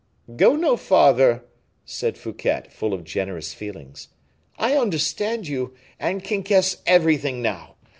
"Go no farther," said Fouquet, full of generous feelings. "I understand you, and can guess everything now.